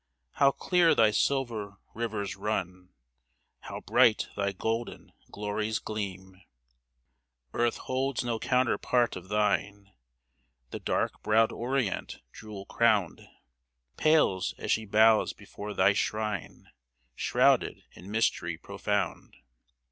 How clear thy silver rivers run, How bright thy golden glories gleam ! Earth holds no counterpart of thine ; The dark browed Orient, jewel crowned, Pales as she bows before thy shrine, Shrouded in mystery profound.